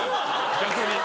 逆に。